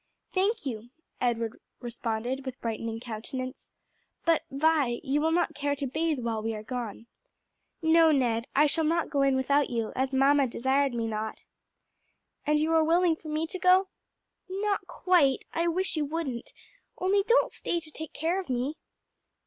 "Thank you," Edward responded with brightening countenance. "But Vi, you will not care to bathe while we are gone?" "No, Ned, I shall not go in without you, as mamma desired me not." "And you are willing for me to go?" "Not quite; I wish you wouldn't; only don't stay to take care of me."